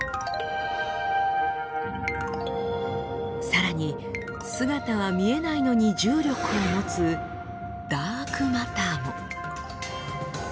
さらに姿は見えないのに重力を持つダークマターも。